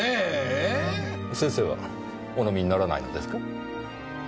先生はお飲みにならないのですか？